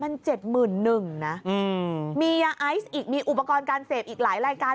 มัน๗๑๐๐นะมียาไอซ์อีกมีอุปกรณ์การเสพอีกหลายรายการ